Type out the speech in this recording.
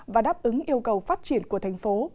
và đáp ứng yêu cầu phát triển của thành phố